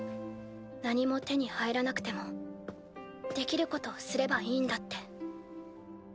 何も手に入らなくてもできることをすればいいんだって。